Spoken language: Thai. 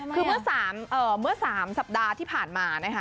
คือเมื่อสามเอ่อเมื่อสามสัปดาห์ที่ผ่านมานะฮะ